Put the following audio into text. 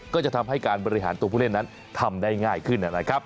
ก็จะทำให้การบริหารตัวผู้เล่นนั้นทำได้ง่ายขึ้นนะครับ